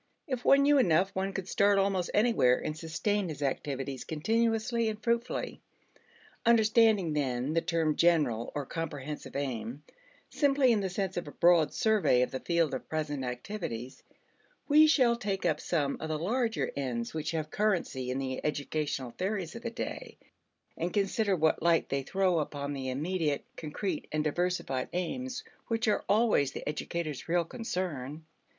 If one knew enough, one could start almost anywhere and sustain his activities continuously and fruitfully. Understanding then the term general or comprehensive aim simply in the sense of a broad survey of the field of present activities, we shall take up some of the larger ends which have currency in the educational theories of the day, and consider what light they throw upon the immediate concrete and diversified aims which are always the educator's real concern.